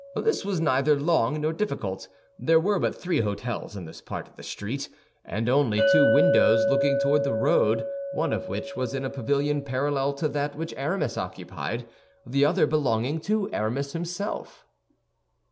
This was neither long nor difficult. There were but three hôtels in this part of the street; and only two windows looking toward the road, one of which was in a pavilion parallel to that which Aramis occupied, the other belonging to Aramis himself.